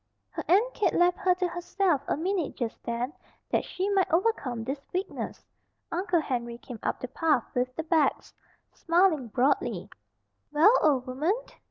Her Aunt Kate left her to herself a minute just then that she might overcome this weakness. Uncle Henry came up the path with the bags, smiling broadly. "Well, old woman!"